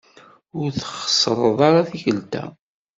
Ur txessreḍ ara tikelt-a.